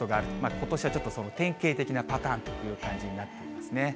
ことしはちょっとその典型的なパターンという感じになっていますね。